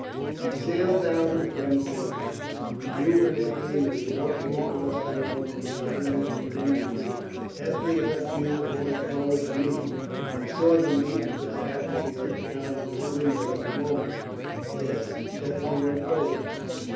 "He sailed down from Kingsbridge. You and Ethne were walking across the lawn when he landed from the creek. Ethne left you and went forward to meet him. I saw them meet, because I happened to be looking out of this window at the moment." "Yes, Ethne went forward.